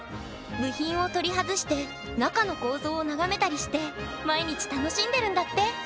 部品を取り外して中の構造を眺めたりして毎日楽しんでるんだって。